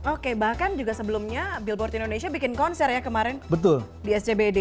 oke bahkan juga sebelumnya billboard indonesia bikin konser ya kemarin di scbd